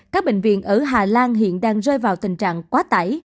các bệnh viện ở hà lan hiện đang rơi vào tình trạng quá tải